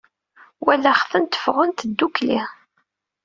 Walaɣ-tent ffɣent ddukkli.